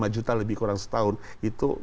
lima juta lebih kurang setahun itu